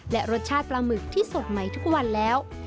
และรสชาติปลาหมึกที่สดใหม่ทุกวันแล้ว